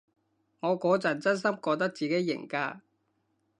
我嗰陣真心覺得自己型㗎